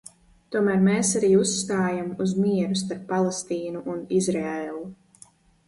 Tomēr mēs arī uzstājam uz mieru starp Palestīnu un Izraēlu.